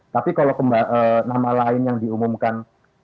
tapi kalau nama lain yang diumumkan